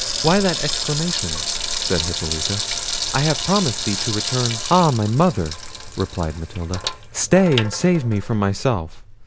"Why that exclamation?" said Hippolita. "I have promised thee to return—" "Ah! my mother," replied Matilda, "stay and save me from myself.